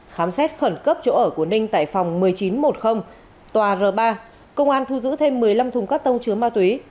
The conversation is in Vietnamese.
khám xét khẩn cấp chỗ ở của ninh tại phòng một mươi chín một tòa r ba công an thu giữ thêm một mươi năm thùng cắt tông chứa ma túy